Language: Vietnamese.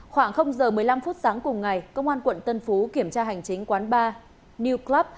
khoảng giờ một mươi năm phút sáng cùng ngày công an quận tân phú kiểm tra hành chính quán bar new club